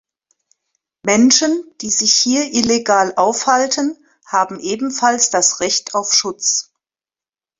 Menschen, die sich hier illegal aufhalten, haben ebenfalls das Recht auf Schutz.